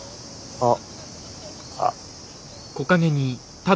あっ。